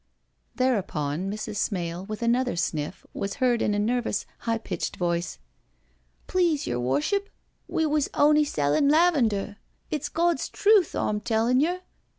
Thereupon, Mrs. Smale, with another sniff, was heard in a nervous, high pitched voice: " Please, yer Worship, we was on'y sellin' lavender, it's Gawd's truth arm tellin' yer.